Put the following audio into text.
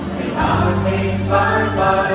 ไม่ทางให้ซ้ายไป